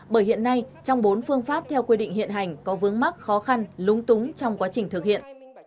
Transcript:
bởi hiện nay trong bốn phương pháp theo quy định hiện hành có vướng mắc khó khăn lúng túng trong quá trình thực hiện